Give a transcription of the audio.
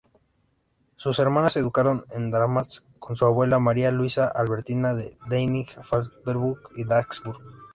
Sus hermanas se educaron en Darmstadt con su abuela, María Luisa Albertina de Leiningen-Falkenburg-Dagsburg.